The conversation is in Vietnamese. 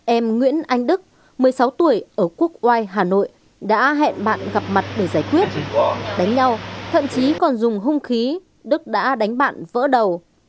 em nguyễn anh đức một mươi sáu tuổi ở quốc oai hà nội đã hẹn bạn gặp mặt để giải quyết đánh nhau thậm chí còn dùng hung khí đức đã đánh bạn vỡ đầu